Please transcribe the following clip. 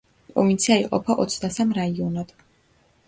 პროვინცია იყოფა ოცდასამ რაიონად.